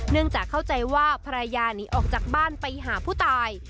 จากเข้าใจว่าภรรยาหนีออกจากบ้านไปหาผู้ตาย